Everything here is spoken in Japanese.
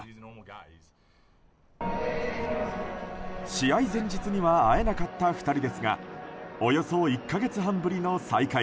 試合前日には会えなかった２人ですがおよそ１か月半ぶりの再会。